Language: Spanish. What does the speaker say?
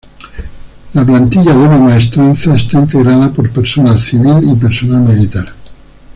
La plantilla de una Maestranza está integrada por personal civil y personal militar.